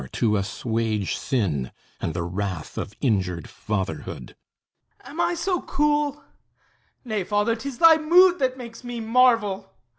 to assuage Sin and the wrath of injured fatherhood! HIPPOLYTUS Am I so cool? Nay, Father, 'tis thy mood That makes me marvel!